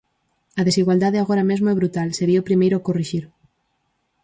A desigualdade agora mesmo é brutal, sería o primeiro a corrixir.